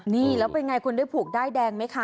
นี่แล้วเป็นไงคุณได้ผูกด้ายแดงไหมคะ